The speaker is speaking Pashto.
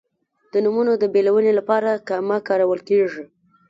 د نومونو د بېلونې لپاره کامه کارول کیږي.